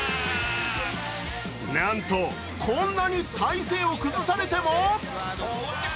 なんと、こんなに体勢を崩されても。